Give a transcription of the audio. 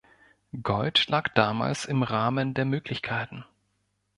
Gold lag damals im Rahmen der Möglichkeiten.